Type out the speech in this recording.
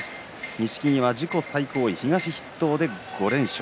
錦木は自己最高位東筆頭で５連勝